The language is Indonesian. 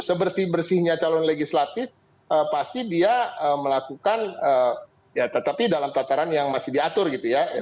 sebersih bersihnya calon legislatif pasti dia melakukan ya tetapi dalam tataran yang masih diatur gitu ya